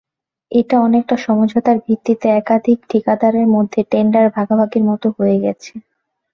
এটা অনেকটা সমঝোতার ভিত্তিতে একাধিক ঠিকাদারের মধ্যে টেন্ডার ভাগাভাগির মতো হয়ে গেছে।